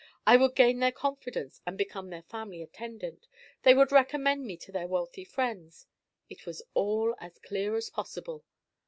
I would gain their confidence and become their family attendant. They would recommend me to their wealthy friends. It was all as clear as possible.